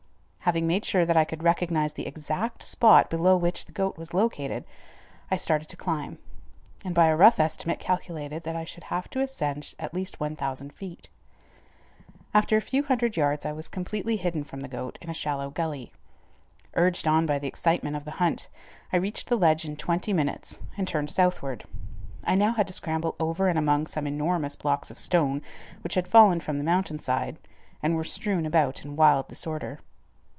Having made sure that I could recognize the exact spot below which the goat was located, I started to climb, and by a rough estimate calculated that I should have to ascend at least 1000 feet. After a few hundred yards, I was completely hidden from the goat in a shallow gully. Urged on by the excitement of the hunt, I reached the ledge in twenty minutes and turned southward. I now had to scramble over and among some enormous blocks of stone which had fallen from the mountain side and were strewn about in wild disorder.